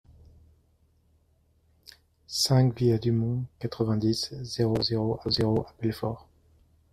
cinq via du Mont, quatre-vingt-dix, zéro zéro zéro à Belfort